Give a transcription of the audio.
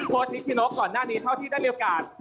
นิชโนก่อนหน้านี้เท่าที่ได้มีโอกาส